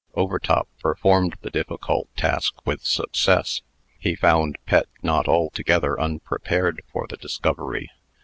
Overtop performed the difficult task with success. He found Pet not altogether unprepared for the discovery.